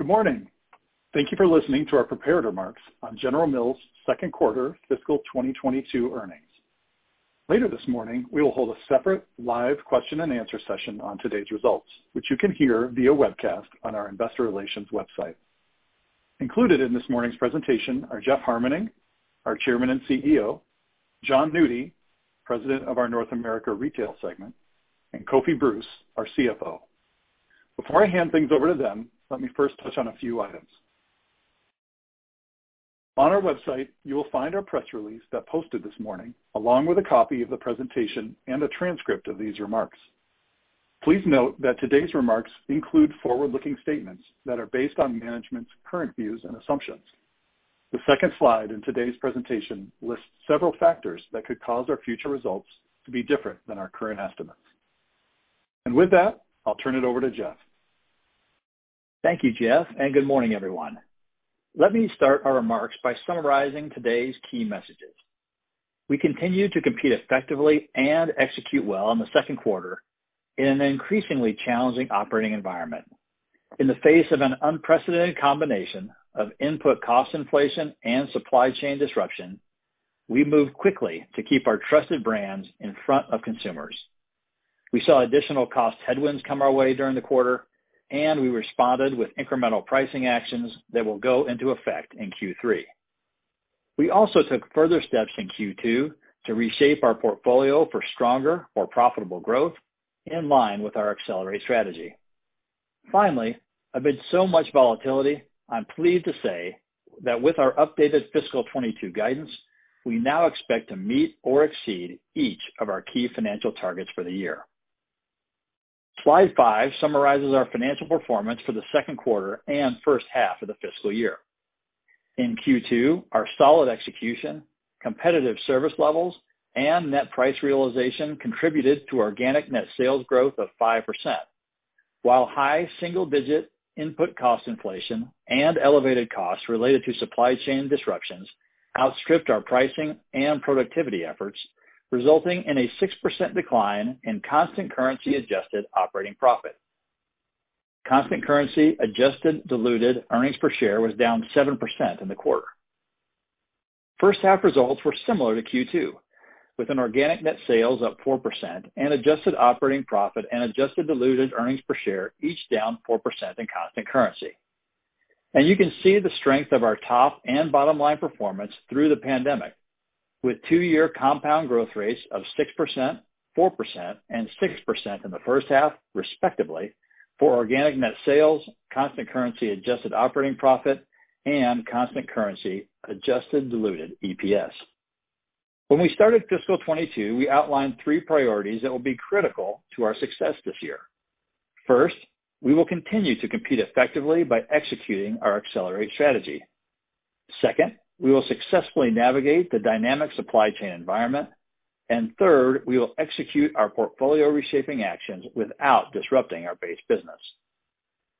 Good morning. Thank you for listening to our prepared remarks on General Mills' Q2 fiscal 2022 Earnings. Later this morning, we will hold a separate live question-and-answer session on today's results, which you can hear via webcast on our investor relations website. Included in this morning's presentation are Jeff Harmening, our Chairman and CEO, Jon Nudi, President of our North America Retail segment, and Kofi Bruce, our CFO. Before I hand things over to them, let me first touch on a few items. On our website, you will find our press release that posted this morning, along with a copy of the presentation and a transcript of these remarks. Please note that today's remarks include forward-looking statements that are based on management's current views and assumptions. The second slide in today's presentation lists several factors that could cause our future results to be different than our current estimates. With that, I'll turn it over to Jeff. Thank you, Jeff, and good morning, everyone. Let me start our remarks by summarizing today's key messages. We continue to compete effectively and execute well in Q2 in an increasingly challenging operating environment. In the face of an unprecedented combination of input cost inflation and supply chain disruption, we moved quickly to keep our trusted brands in front of consumers. We saw additional cost headwinds come our way during the quarter, and we responded with incremental pricing actions that will go into effect in Q3. We also took further steps in Q2 to reshape our portfolio for stronger or profitable growth in line with our accelerate strategy. Finally, amid so much volatility, I'm pleased to say that with our updated fiscal 2022 guidance, we now expect to meet or exceed each of our key financial targets for the year. Slide 5 summarizes our financial performance for Q2 and first half of the fiscal year. In Q2, our solid execution, competitive service levels, and net price realization contributed to organic net sales growth of 5%. While high-single-digit input cost inflation and elevated costs related to supply chain disruptions outstripped our pricing and productivity efforts, resulting in a 6% decline in constant currency adjusted operating profit. Constant currency adjusted diluted earnings per share was down 7% in the quarter. First half results were similar to Q2, with an organic net sales up 4% and adjusted operating profit and adjusted diluted earnings per share, each down 4% in constant currency. You can see the strength of our top-and-bottom-line performance through the pandemic with two-year compound growth rates of 6%, 4%, and 6% in the first half, respectively, for organic net sales, constant currency adjusted operating profit, and constant currency adjusted diluted EPS. When we started fiscal 2022, we outlined three priorities that will be critical to our success this year. First, we will continue to compete effectively by executing our accelerate strategy. Second, we will successfully navigate the dynamic supply chain environment. Third, we will execute our portfolio reshaping actions without disrupting our base business.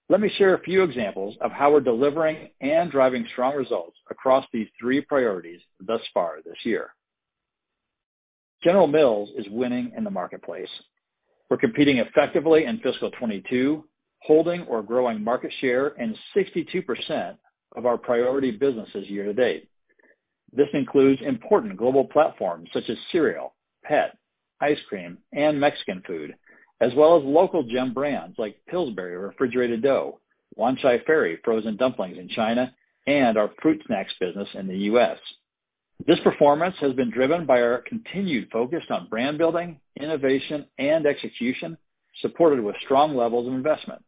Let me share a few examples of how we're delivering and driving strong results across these three priorities thus far this year. General Mills is winning in the marketplace. We're competing effectively in fiscal 2022, holding or growing market share in 62% of our priority businesses year to date. This includes important global platforms such as cereal, pet, ice cream, and Mexican food, as well as local gem brands like Pillsbury Refrigerated Dough, Wanchai Ferry Frozen Dumplings in China, and our fruit snacks business in the U.S. This performance has been driven by our continued focus on brand building, innovation, and execution, supported with strong levels of investment.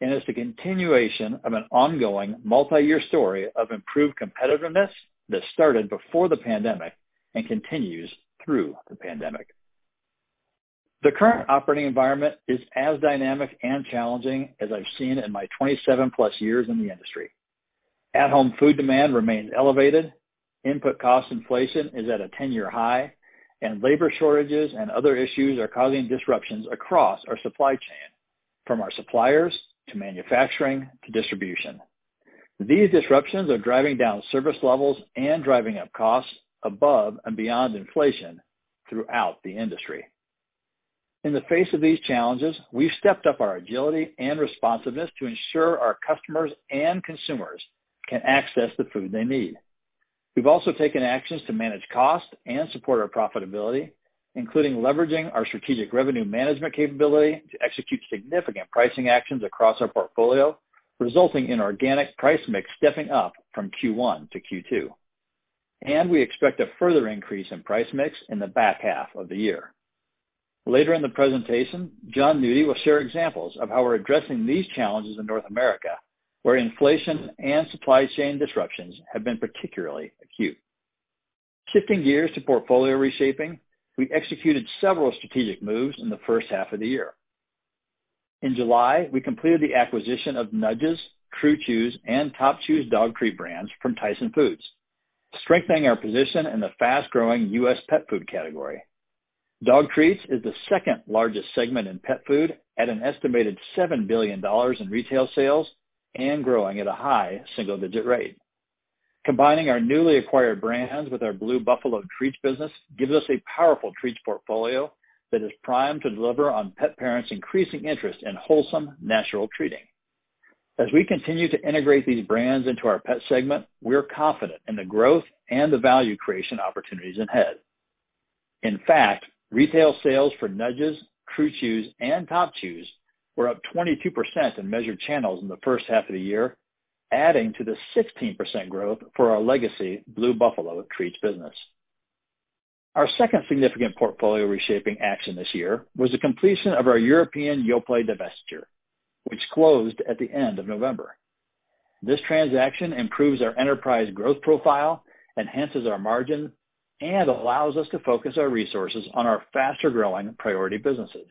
It's the continuation of an ongoing multi-year story of improved competitiveness that started before the pandemic and continues through the pandemic. The current operating environment is as dynamic and challenging as I've seen in my 27+ years in the industry. At-home food demand remains elevated, input cost inflation is at a ten-year high, and labor shortages and other issues are causing disruptions across our supply chain, from our suppliers to manufacturing to distribution. These disruptions are driving down service levels and driving up costs above and beyond inflation throughout the industry. In the face of these challenges, we've stepped up our agility and responsiveness to ensure our customers and consumers can access the food they need. We've also taken actions to manage costs and support our profitability, including leveraging our Strategic Revenue Management capability to execute significant pricing actions across our portfolio, resulting in organic price mix stepping up from Q1 to Q2. We expect a further increase in price mix in the back half of the year. Later in the presentation, Jon Nudi will share examples of how we're addressing these challenges in North America, where inflation and supply chain disruptions have been particularly acute. Shifting gears to portfolio reshaping, we executed several strategic moves in the first half of the year. In July, we completed the acquisition of Nudges, True Chews, and Top Chews dog treat brands from Tyson Foods, strengthening our position in the fast-growing U.S. pet food category. Dog treats is the second largest segment in pet food at an estimated $7 billion in retail sales and growing at a high-single-digit rate. Combining our newly acquired brands with our Blue Buffalo treats business gives us a powerful treats portfolio that is primed to deliver on pet parents' increasing interest in wholesome natural treating. As we continue to integrate these brands into our pet segment, we're confident in the growth and the value creation opportunities ahead. In fact, retail sales for Nudges, True Chews, and Top Chews were up 22% in measured channels in the first half of the year, adding to the 16% growth for our legacy Blue Buffalo treats business. Our second significant portfolio reshaping action this year was the completion of our European Yoplait divestiture, which closed at the end of November. This transaction improves our enterprise growth profile, enhances our margin, and allows us to focus our resources on our faster-growing priority businesses.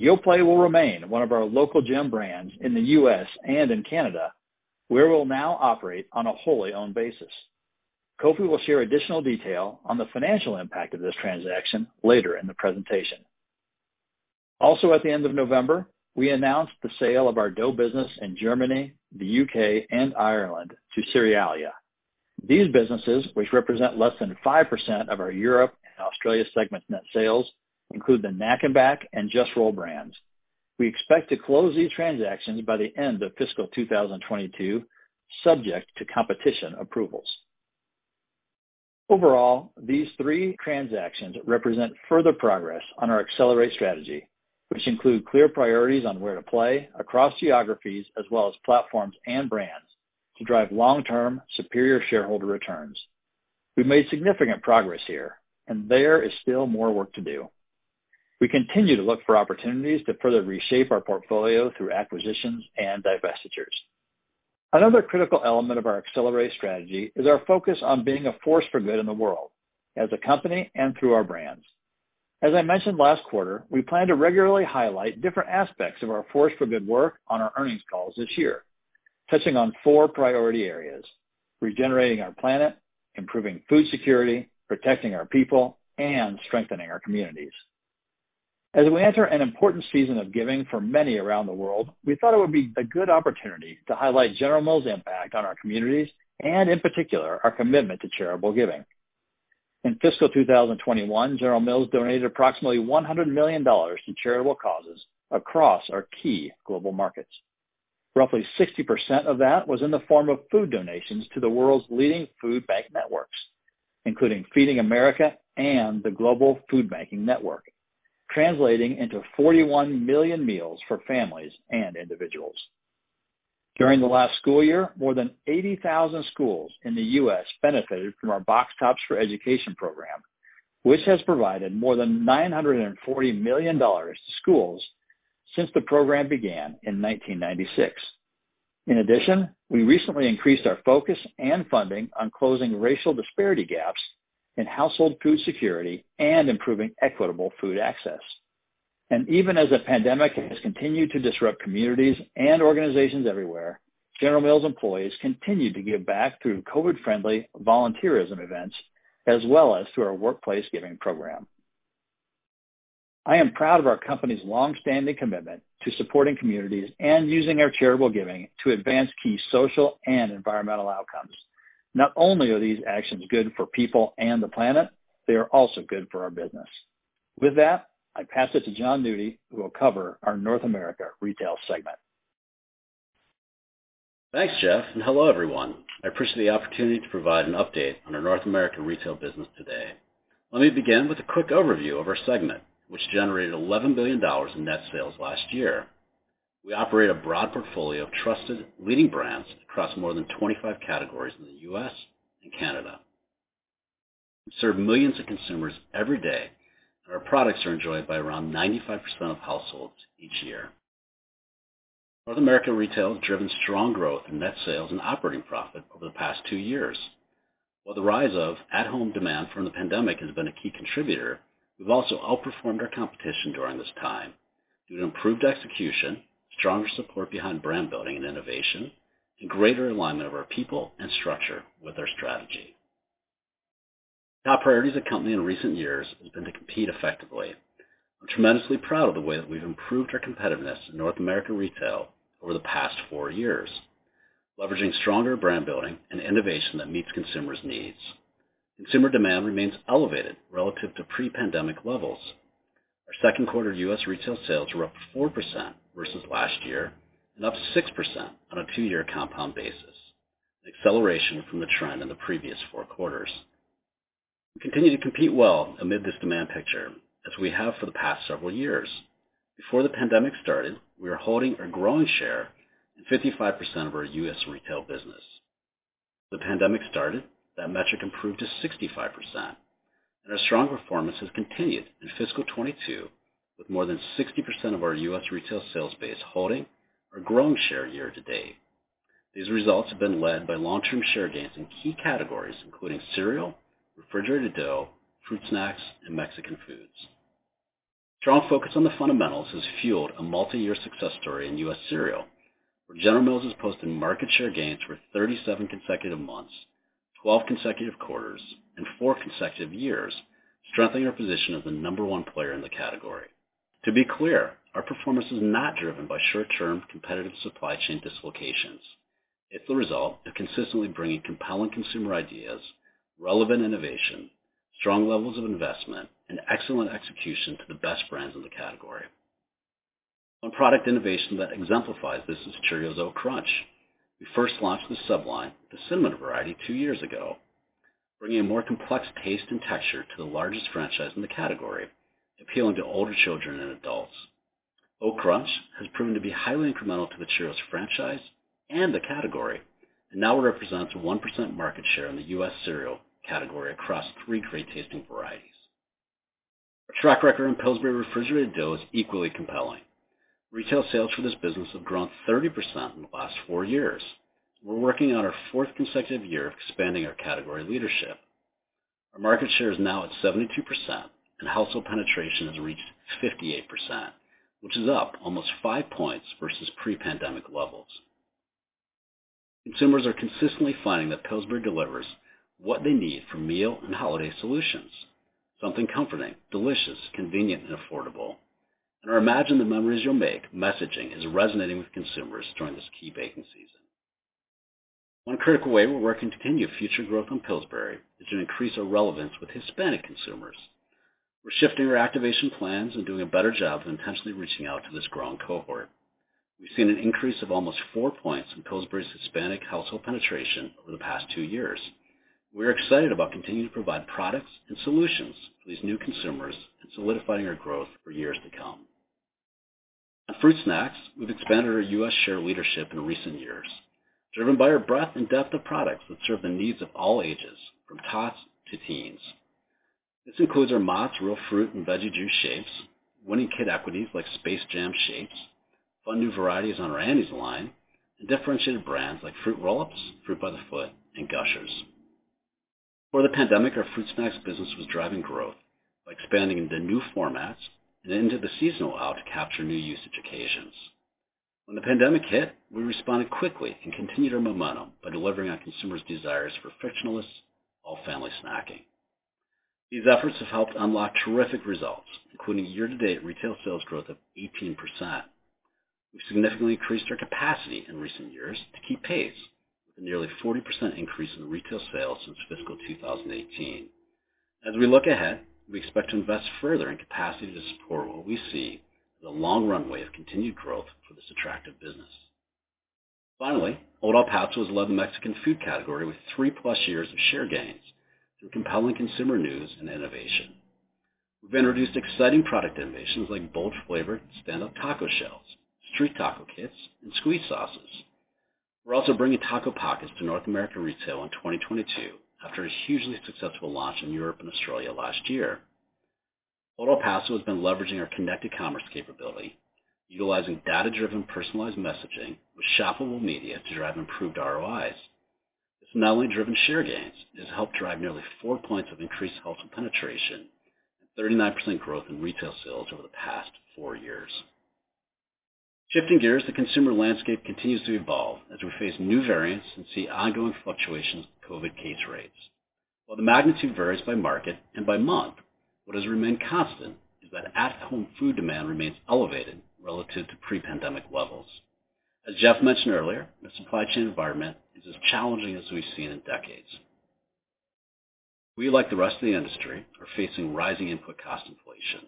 Yoplait will remain one of our local gem brands in the U.S. and in Canada, where we'll now operate on a wholly owned basis. Kofi will share additional detail on the financial impact of this transaction later in the presentation. Also, at the end of November, we announced the sale of our dough business in Germany, the U.K., and Ireland to Cérélia. These businesses, which represent less than 5% of our Europe and Australia segment net sales, include the Knack & Back and Jus-Rol brands. We expect to close these transactions by the end of fiscal 2022, subject to competition approvals. Overall, these three transactions represent further progress on our Accelerate strategy, which include clear priorities on where to play across geographies as well as platforms and brands to drive long-term superior shareholder returns. We've made significant progress here, and there is still more work to do. We continue to look for opportunities to further reshape our portfolio through acquisitions and divestitures. Another critical element of our accelerate strategy is our focus on being a force for good in the world as a company and through our brands. As I mentioned last quarter, we plan to regularly highlight different aspects of our force for good work on our earnings calls each year, touching on four priority areas, regenerating our planet, improving food security, protecting our people, and strengthening our communities. As we enter an important season of giving for many around the world, we thought it would be a good opportunity to highlight General Mills' impact on our communities and, in particular, our commitment to charitable giving. In fiscal 2021, General Mills donated approximately $100 million to charitable causes across our key global markets. Roughly 60% of that was in the form of food donations to the world's leading food bank networks, including Feeding America and the Global FoodBanking Network, translating into 41 million meals for families and individuals. During the last school year, more than 80,000 schools in the U.S. benefited from our Box Tops for Education program, which has provided more than $940 million to schools since the program began in 1996. In addition, we recently increased our focus and funding on closing racial disparity gaps in household food security and improving equitable food access. Even as the pandemic has continued to disrupt communities and organizations everywhere, General Mills employees continue to give back through COVID-friendly volunteerism events as well as through our workplace giving program. I am proud of our company's long-standing commitment to supporting communities and using our charitable giving to advance key social and environmental outcomes. Not only are these actions good for people and the planet, they are also good for our business. With that, I pass it to Jon Nudi, who will cover our North America Retail segment. Thanks, Jeff, and hello, everyone. I appreciate the opportunity to provide an update on our North America Retail business today. Let me begin with a quick overview of our segment, which generated $11 billion in net sales last year. We operate a broad portfolio of trusted leading brands across more than 25 categories in the U.S. and Canada. We serve millions of consumers every day, and our products are enjoyed by around 95% of households each year. North America Retail has driven strong growth in net sales and operating profit over the past 2-years. While the rise of at-home demand from the pandemic has been a key contributor, we've also outperformed our competition during this time due to improved execution, stronger support behind brand building and innovation, and greater alignment of our people and structure with our strategy. Top priority as a company in recent years has been to compete effectively. I'm tremendously proud of the way that we've improved our competitiveness in North America Retail over the past four-years, leveraging stronger brand building and innovation that meets consumers' needs. Consumer demand remains elevated relative to pre-pandemic levels. Our Q2 U.S. retail sales were up 4% versus last year and up 6% on a two-year compound basis, an acceleration from the trend in the previous four quarters. We continue to compete well amid this demand picture, as we have for the past several years. Before the pandemic started, we were holding or growing share in 55% of our U.S. retail business. The pandemic started, that metric improved to 65%, and our strong performance has continued in fiscal 2022 with more than 60% of our U.S. retail sales base holding or growing share year to date. These results have been led by long-term share gains in key categories, including cereal, refrigerated dough, fruit snacks, and Mexican foods. Strong focus on the fundamentals has fueled a multi-year success story in U.S. cereal, where General Mills has posted market share gains for 37 consecutive months, 12 consecutive quarters, and four consecutive years, strengthening our position as the number one player in the category. To be clear, our performance is not driven by short-term competitive supply chain dislocations. It's the result of consistently bringing compelling consumer ideas, relevant innovation, strong levels of investment, and excellent execution to the best brands in the category. One product innovation that exemplifies this is Cheerios Oat Crunch. We first launched the sub-line, the cinnamon variety, two-years ago, bringing a more complex taste and texture to the largest franchise in the category, appealing to older children and adults. Oat Crunch has proven to be highly incremental to the Cheerios franchise and the category, and now represents 1% market share in the U.S. cereal category across three great-tasting varieties. Our track record in Pillsbury refrigerated dough is equally compelling. Retail sales for this business have grown 30% in the last four years. We're working on our fourth consecutive year of expanding our category leadership. Our market share is now at 72%, and household penetration has reached 58%, which is up almost five points versus pre-pandemic levels. Consumers are consistently finding that Pillsbury delivers what they need for meal and holiday solutions, something comforting, delicious, convenient, and affordable. Our "Imagine the memories you'll make" messaging is resonating with consumers during this key baking season. One critical way we're working to continue future growth on Pillsbury is to increase our relevance with Hispanic consumers. We're shifting our activation plans and doing a better job of intentionally reaching out to this growing cohort. We've seen an increase of almost 4 points in Pillsbury's Hispanic household penetration over the past 2-years. We're excited about continuing to provide products and solutions for these new consumers and solidifying our growth for years to come. On fruit snacks, we've expanded our U.S. share leadership in recent years, driven by our breadth and depth of products that serve the needs of all ages, from tots to teens. This includes our Mott's Real Fruit and Veggie Juice Shapes, winning kid equities like Space Jam Shapes, fun new varieties on our Annie's line, and differentiated brands like Fruit Roll-Ups, Fruit by the Foot, and Gushers. Before the pandemic, our fruit snacks business was driving growth by expanding into new formats and into the seasonal aisle to capture new usage occasions. When the pandemic hit, we responded quickly and continued our momentum by delivering on consumers' desires for frictionless, all-family snacking. These efforts have helped unlock terrific results, including year-to-date retail sales growth of 18%. We've significantly increased our capacity in recent years to keep pace, with a nearly 40% increase in retail sales since fiscal 2018. As we look ahead, we expect to invest further in capacity to support what we see as a long runway of continued growth for this attractive business. Finally, Old El Paso has led the Mexican food category with 3+ years of share gains through compelling consumer news and innovation. We've introduced exciting product innovations like bold flavored standup taco shells, street taco kits, and squeeze sauces. We're also bringing Taco Boats to North America Retail in 2022 after a hugely successful launch in Europe and Australia last year. Old El Paso has been leveraging our connected commerce capability, utilizing data-driven personalized messaging with shoppable media to drive improved ROIs. It's not only driven share gains, it has helped drive nearly 4 points of increased household penetration and 39% growth in retail sales over the past 4-years. Shifting gears, the consumer landscape continues to evolve as we face new variants and see ongoing fluctuations in COVID case rates. While the magnitude varies by market and by month, what has remained constant is that at-home food demand remains elevated relative to pre-pandemic levels. As Jeff mentioned earlier, the supply chain environment is as challenging as we've seen in decades. We, like the rest of the industry, are facing rising input cost inflation.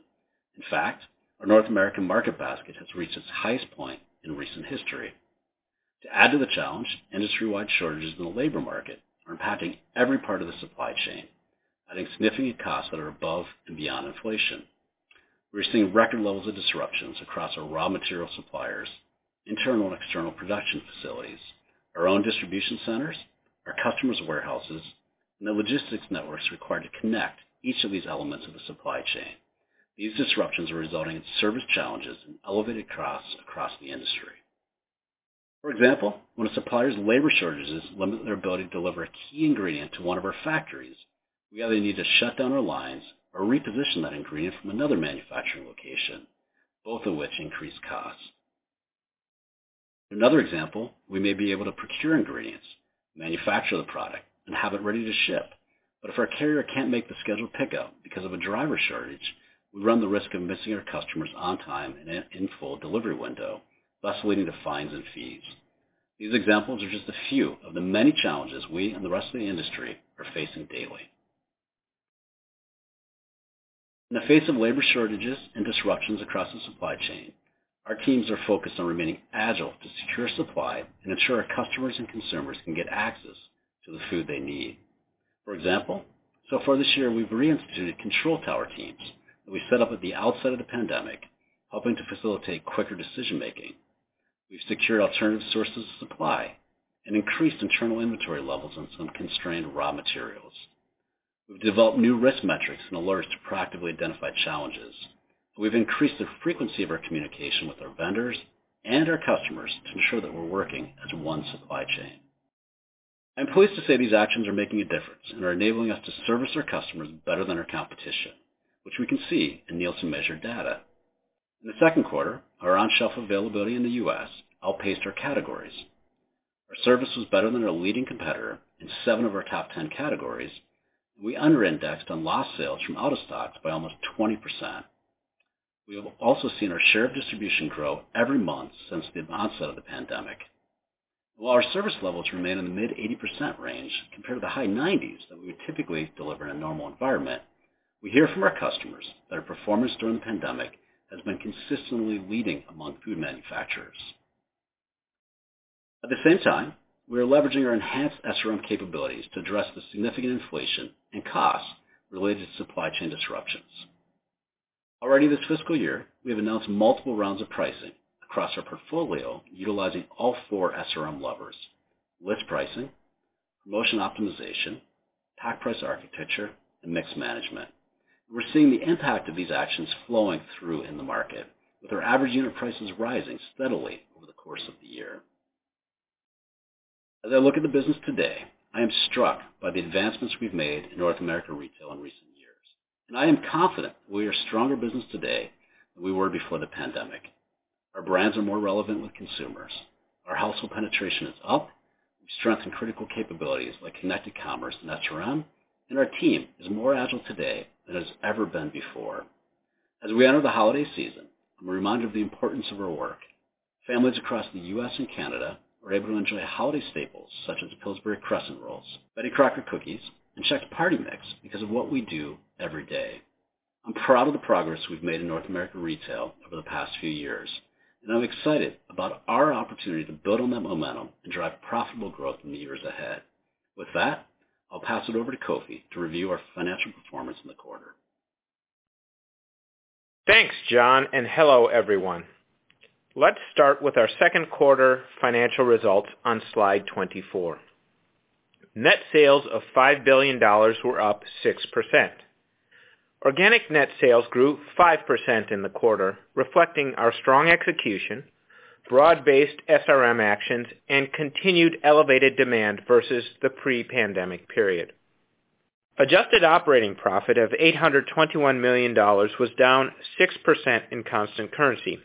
In fact, our North American market basket has reached its highest point in recent history. To add to the challenge, industry-wide shortages in the labor market are impacting every part of the supply chain, adding significant costs that are above and beyond inflation. We're seeing record levels of disruptions across our raw material suppliers, internal and external production facilities, our own distribution centers, our customers' warehouses, and the logistics networks required to connect each of these elements of the supply chain. These disruptions are resulting in service challenges and elevated costs across the industry. For example, when a supplier's labor shortages limit their ability to deliver a key ingredient to one of our factories, we either need to shut down our lines or reposition that ingredient from another manufacturing location, both of which increase costs. Another example, we may be able to procure ingredients, manufacture the product, and have it ready to ship. But if our carrier can't make the scheduled pickup because of a driver shortage, we run the risk of missing our customers on time and in full delivery window, thus leading to fines and fees. These examples are just a few of the many challenges we and the rest of the industry are facing daily. In the face of labor shortages and disruptions across the supply chain, our teams are focused on remaining agile to secure supply and ensure our customers and consumers can get access to the food they need. For example, so far this year, we've reinstituted control tower teams that we set up at the outset of the pandemic, helping to facilitate quicker decision making. We've secured alternative sources of supply and increased internal inventory levels on some constrained raw materials. We've developed new risk metrics and alerts to proactively identify challenges. We've increased the frequency of our communication with our vendors and our customers to ensure that we're working as one supply chain. I'm pleased to say these actions are making a difference and are enabling us to service our customers better than our competition, which we can see in Nielsen measured data. In Q2, our on-shelf availability in the U.S. outpaced our categories. Our service was better than our leading competitor in seven of our top 10 categories. We under-indexed on lost sales from out-of-stocks by almost 20%. We have also seen our share of distribution grow every month since the onset of the pandemic. While our service levels remain in the mid-80% range compared to the high 90s that we would typically deliver in a normal environment, we hear from our customers that our performance during the pandemic has been consistently leading among food manufacturers. At the same time, we are leveraging our enhanced SRM capabilities to address the significant inflation and costs-related to supply chain disruptions. Already this fiscal year, we have announced multiple rounds of pricing across our portfolio, utilizing all four SRM levers, list pricing, promotion optimization, pack price architecture, and mix management. We're seeing the impact of these actions flowing through in the market with our average unit prices rising steadily over the course of the year. As I look at the business today, I am struck by the advancements we've made in North America Retail in recent years and I am confident we are a stronger business today than we were before the pandemic. Our brands are more relevant with consumers. Our household penetration is up. We've strengthened critical capabilities like connected commerce and SRM and our team is more agile today than it has ever been before. As we enter the holiday season, I'm reminded of the importance of our work. Families across the U.S. and Canada are able to enjoy holiday staples such as Pillsbury crescent rolls, Betty Crocker cookies and Chex party mix because of what we do every day. I'm proud of the progress we've made in North America Retail over the past few years, and I'm excited about our opportunity to build on that momentum and drive profitable growth in the years ahead. With that, I'll pass it over to Kofi to review our financial performance in the quarter. Thanks, Jon Nudi and hello everyone. Let's start with our Q2 financial results on slide 24. Net sales of $5 billion were up 6%. Organic net sales grew 5% in the quarter, reflecting our strong execution, broad-based SRM actions and continued elevated demand versus the pre-pandemic period. Adjusted operating profit of $821 million was down 6% in constant currency,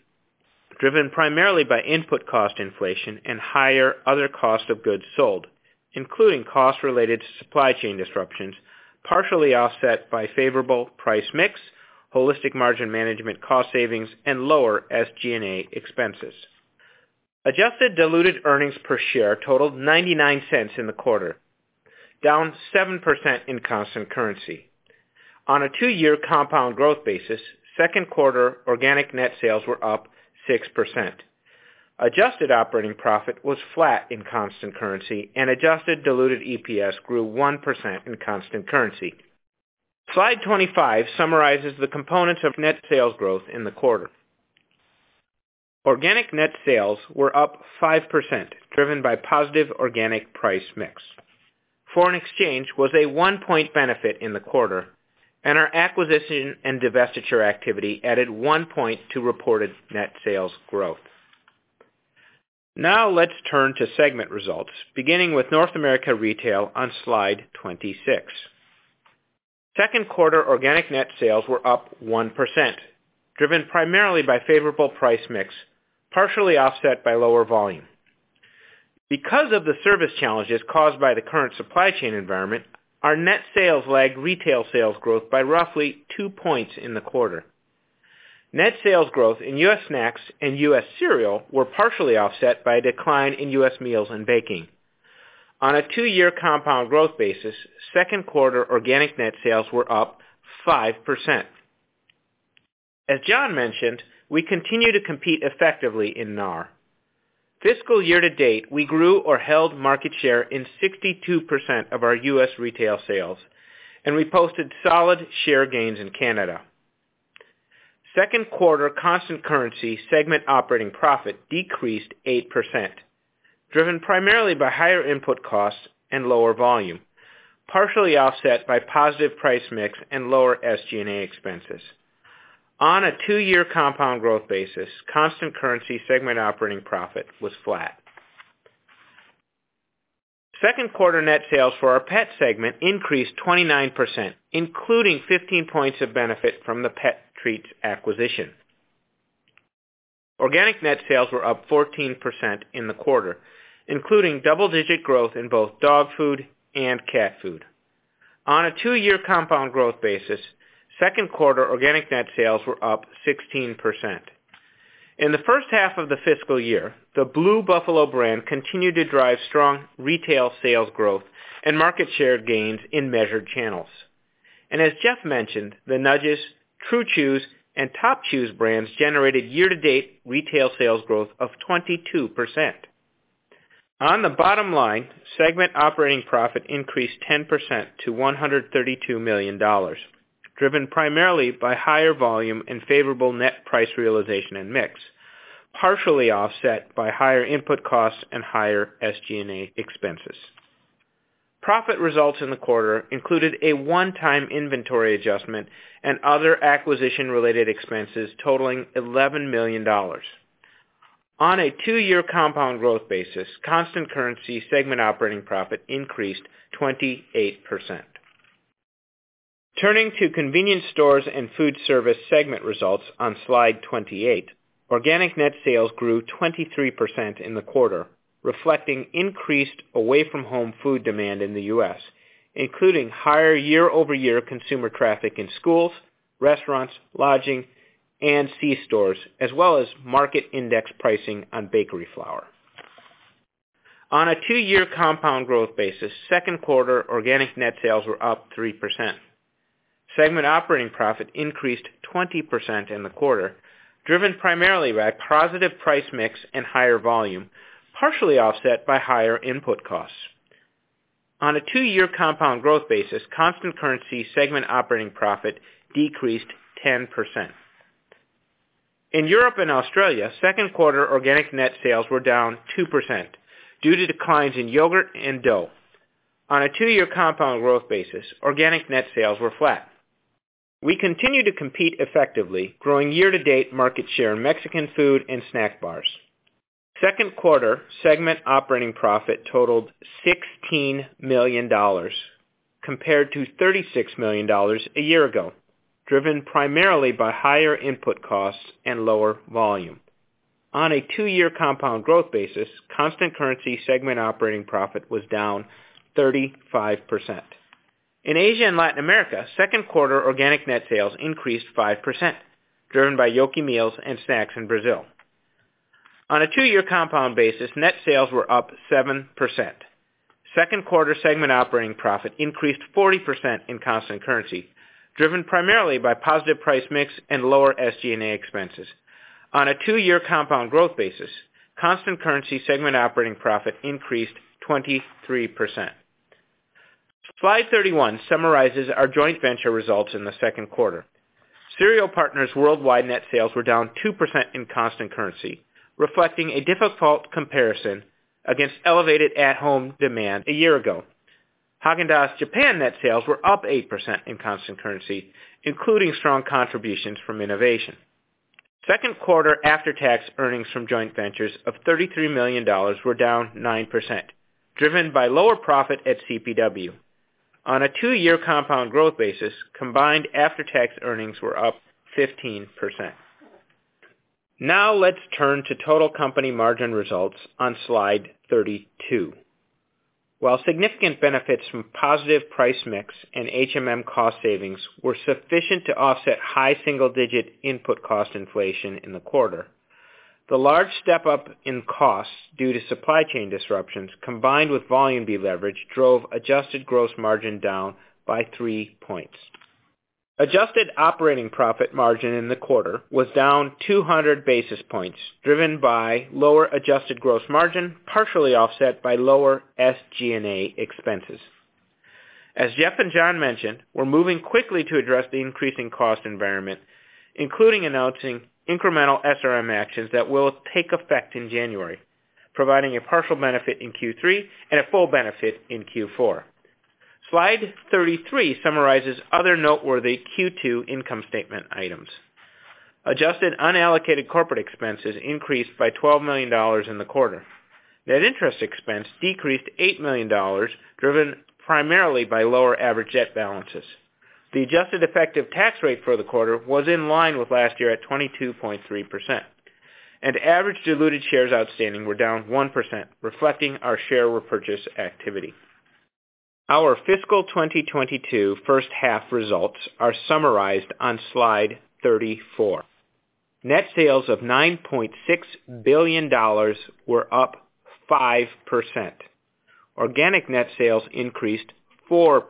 driven primarily by input cost inflation and higher other cost of goods sold, including costs-related to supply chain disruptions, partially offset by favorable price mix, holistic margin management cost savings and lower SG&A expenses. Adjusted diluted earnings per share totaled $0.99 in the quarter, down 7% in constant currency. On a two-year compound growth basis, Q2 organic net sales were up 6%. Adjusted operating profit was flat in constant currency and adjusted diluted EPS grew 1% in constant currency. Slide 24 summarizes the components of net sales growth in the quarter. Organic net sales were up 5% driven by positive organic price mix. Foreign exchange was a 1 point benefit in the quarter and our acquisition and divestiture activity added 1 point to reported net sales growth. Now let's turn to segment results beginning with North America Retail on slide 26. Q2 organic net sales were up 1%, driven primarily by favorable price mix, partially offset by lower volume. Because of the service challenges caused by the current supply chain environment, our net sales lagged retail sales growth by roughly 2 points in the quarter. Net sales growth in U.S. snacks and U.S. cereal were partially offset by a decline in U.S. meals and baking. On a two-year compound growth basis, Q2 organic net sales were up 5%. As Jon mentioned, we continue to compete effectively in NAR. Fiscal year to date, we grew or held market share in 62% of our U.S. retail sales and we posted solid share gains in Canada. Q2 constant currency segment operating profit decreased 8%, driven primarily by higher input costs and lower volume, partially offset by positive price mix and lower SG&A expenses. On a two-year compound growth basis, constant currency segment operating profit was flat. Q2 net sales for our pet segment increased 29%, including 15 points of benefit from the pet treats acquisition. Organic net sales were up 14% in the quarter, including double-digits growth in both dog food and cat food. On a two-year compound growth basis, Q2 organic net sales were up 16%. In the first half of the fiscal year, the Blue Buffalo brand continued to drive strong retail sales growth and market share gains in measured channels. As Jeff mentioned, the Nudges, True Chews and Top Chews brands generated year-to-date retail sales growth of 22%. On the bottom-line, segment operating profit increased 10% to $132 million, driven primarily by higher volume and favorable net price realization and mix, partially offset by higher input costs and higher SG&A expenses. Profit results in the quarter included a one-time inventory adjustment and other acquisition-related expenses totaling $11 million. On a two-year compound growth basis, constant currency segment operating profit increased 28%. Turning to convenience stores and food service segment results on slide 28. Organic net sales grew 23% in the quarter, reflecting increased away-from-home food demand in the U.S., including higher year-over-year consumer traffic in schools, restaurants, lodging, and c-stores, as well as market index pricing on bakery flour. On a two-year compound growth basis, Q2 organic net sales were up 3%. Segment operating profit increased 20% in the quarter, driven primarily by positive price mix and higher volume, partially offset by higher input costs. On a two-year compound growth basis, constant currency segment operating profit decreased 10%. In Europe and Australia, Q2 organic net sales were down 2% due to declines in yogurt and dough. On a two-year compound growth basis, organic net sales were flat. We continue to compete effectively, growing year-to-date market share in Mexican food and snack bars. Q2 segment operating profit totaled $16 million compared to $36 million a year ago, driven primarily by higher input costs and lower volume. On a two-year compound growth basis, constant currency segment operating profit was down 35%. In Asia and Latin America, Q2 organic net sales increased 5%, driven by Yoki meals and snacks in Brazil. On a two-year compound basis, net sales were up 7%. Q2 segment operating profit increased 40% in constant currency, driven primarily by positive price mix and lower SG&A expenses. On a two-year compound growth basis, constant currency segment operating profit increased 23%. Slide 31 summarizes our joint venture results in Q2. Cereal Partners Worldwide net sales were down 2% in constant currency, reflecting a difficult comparison against elevated at-home demand a year ago. Häagen-Dazs Japan net sales were up 8% in constant currency, including strong contributions from innovation. Q2 after-tax earnings from joint ventures of $33 million were down 9%, driven by lower profit at CPW. On a two-year compound growth basis, combined after-tax earnings were up 15%. Now let's turn to total company margin results on slide 32. While significant benefits from positive price mix and HMM cost savings were sufficient to offset high-single-digit input cost inflation in the quarter, the large step-up in costs due to supply chain disruptions, combined with volume deleverage, drove adjusted gross margin down by 3 points. Adjusted operating profit margin in the quarter was down 200 basis points, driven by lower adjusted gross margin, partially offset by lower SG&A expenses. As Jeff and Jon mentioned, we're moving quickly to address the increasing cost environment, including announcing incremental SRM actions that will take effect in January, providing a partial benefit in Q3 and a full benefit in Q4. Slide 33 summarizes other noteworthy Q2 income statement items. Adjusted unallocated corporate expenses increased by $12 million in the quarter. Net interest expense decreased $8 million, driven primarily by lower average debt balances. The adjusted effective tax rate for the quarter was in line with last year at 22.3%, and average diluted shares outstanding were down 1%, reflecting our share repurchase activity. Our fiscal 2022 first half results are summarized on slide 34. Net sales of $9.6 billion were up 5%. Organic net sales increased 4%,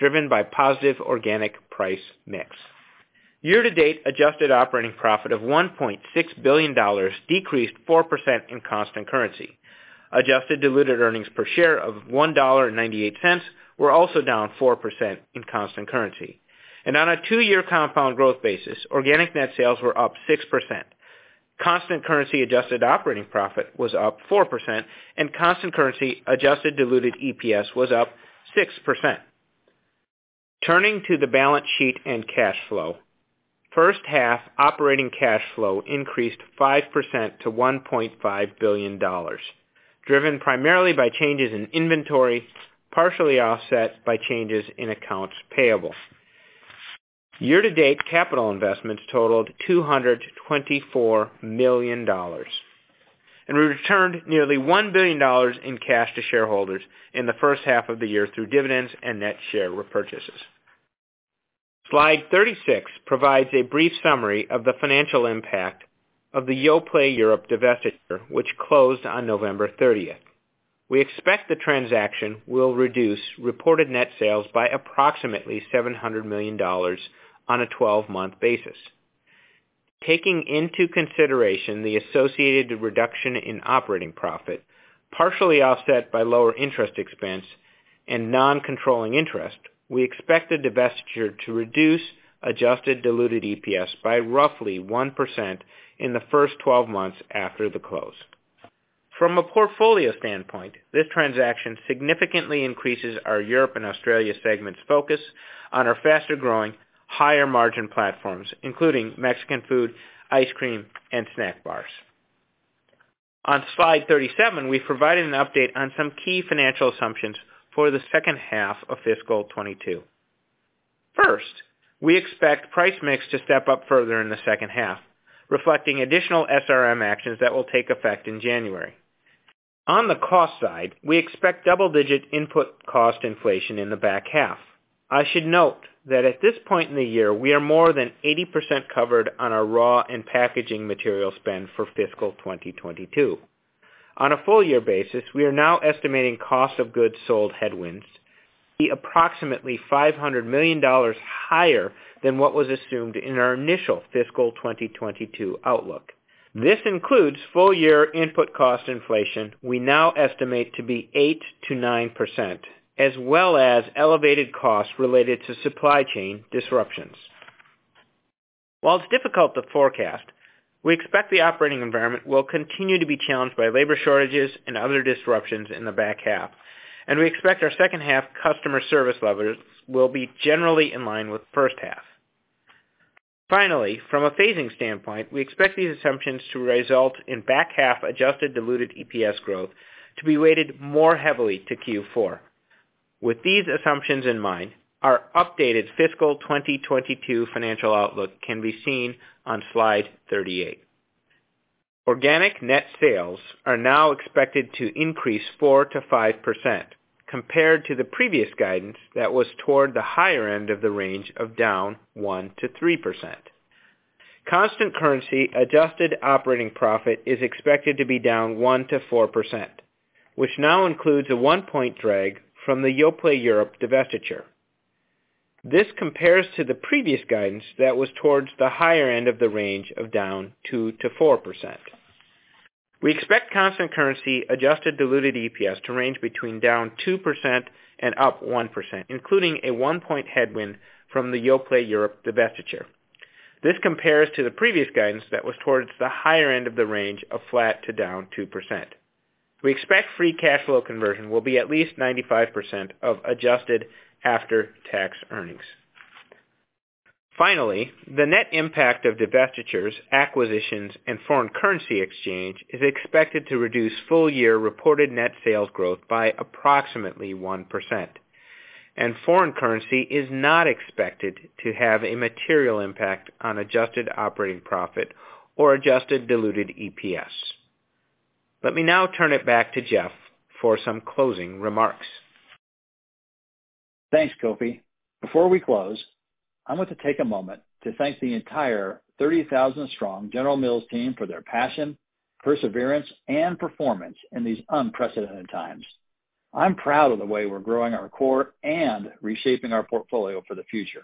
driven by positive organic price mix. Year-to-date adjusted operating profit of $1.6 billion decreased 4% in constant currency. Adjusted diluted earnings per share of $1.98 were also down 4% in constant currency. On a two-year compound growth basis, organic net sales were up 6%. Constant currency adjusted operating profit was up 4%, and constant currency adjusted diluted EPS was up 6%. Turning to the balance sheet and cash flow. First half operating cash flow increased 5% to $1.5 billion, driven primarily by changes in inventory, partially offset by changes in accounts payable. Year-to-date capital investments totaled $224 million, and we returned nearly $1 billion in cash to shareholders in the first half of the year through dividends and net share repurchases. Slide 36 provides a brief summary of the financial impact of the Yoplait Europe divestiture, which closed on November 30. We expect the transaction will reduce reported net sales by approximately $700 million on a 12-month basis. Taking into consideration the associated reduction in operating profit, partially offset by lower interest expense and non-controlling interest, we expect the divestiture to reduce adjusted diluted EPS by roughly 1% in the first 12 months after the close. From a portfolio standpoint, this transaction significantly increases our Europe and Australia segment's focus on our faster-growing, higher-margin platforms, including Mexican food, ice cream, and snack bars. On slide 37, we provided an update on some key financial assumptions for the second half of fiscal 2022. First, we expect price mix to step up further in the second half, reflecting additional SRM actions that will take effect in January. On the cost side, we expect double-digits input cost inflation in the back half. I should note that at this point in the year, we are more than 80% covered on our raw and packaging material spend for fiscal 2022. On a full-year basis, we are now estimating cost of goods sold headwinds to be approximately $500 million higher than what was assumed in our initial fiscal 2022 outlook. This includes full-year input cost inflation we now estimate to be 8%-9%, as well as elevated costs- related to supply chain disruptions. While it's difficult to forecast, we expect the operating environment will continue to be challenged by labor shortages and other disruptions in the back half, and we expect our second half customer service levels will be generally in line with first half. Finally, from a phasing standpoint, we expect these assumptions to result in back half adjusted diluted EPS growth to be weighted more heavily to Q4. With these assumptions in mind, our updated fiscal 2022 financial outlook can be seen on slide 38. Organic net sales are now expected to increase 4%-5% compared to the previous guidance that was toward the higher-end of the range of down 1%-3%. Constant currency adjusted operating profit is expected to be down 1%-4%, which now includes a 1-point drag from the Yoplait Europe divestiture. This compares to the previous guidance that was towards the higher-end of the range of down 2%-4%. We expect constant currency adjusted diluted EPS to range between down 2% and up 1%, including a 1-point headwind from the Yoplait Europe divestiture. This compares to the previous guidance that was towards the higher-end of the range of flat to down 2%. We expect free cash flow conversion will be at least 95% of adjusted after-tax earnings. Finally, the net impact of divestitures, acquisitions, and foreign currency exchange is expected to reduce full-year reported net sales growth by approximately 1%, and foreign currency is not expected to have a material impact on adjusted operating profit or adjusted diluted EPS. Let me now turn it back to Jeff for some closing remarks. Thanks, Kofi. Before we close, I want to take a moment to thank the entire 30,000-strong General Mills team for their passion, perseverance, and performance in these unprecedented times. I'm proud of the way we're growing our core and reshaping our portfolio for the future.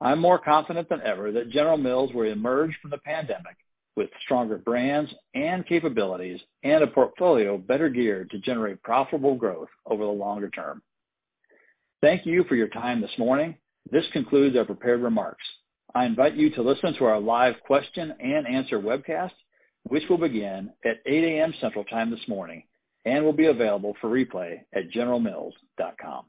I'm more confident than ever that General Mills will emerge from the pandemic with stronger brands and capabilities and a portfolio better geared to generate profitable growth over the longer term. Thank you for your time this morning. This concludes our prepared remarks. I invite you to listen to our live question and answer webcast, which will begin at 8:00 A.M. Central Time this morning and will be available for replay at generalmills.com.